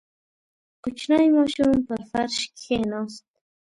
• کوچنی ماشوم پر فرش کښېناست.